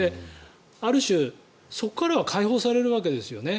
ある種、そこからは解放されるわけですよね。